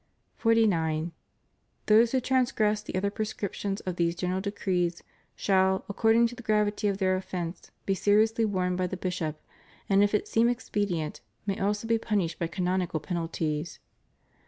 49. Those who transgress the other prescriptions of these General Decrees shall, according to the gravity of their offence, be seriously warned by the bishop, and, if it seem expedient, may also be punished by canonical pen alties.